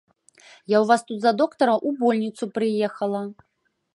Я ў вас тут за доктара ў больніцу прыехала.